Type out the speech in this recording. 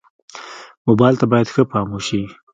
موبایل ته باید ښه پام وشي.